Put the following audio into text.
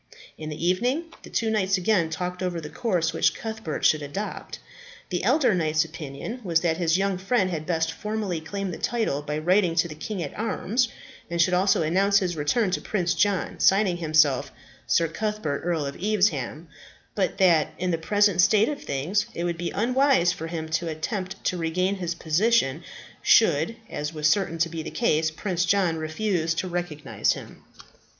In the evening, the two knights again talked over the course which Cuthbert should adopt. The elder knight's opinion was that his young friend had best formally claim the title by writing to the king at arms, and should also announce his return to Prince John, signing himself "Sir Cuthbert, Earl of Evesham;" but that, in the present state of things, it would be unwise for him to attempt to regain his position, should, as was certain to be the case, Prince John refuse to recognize him.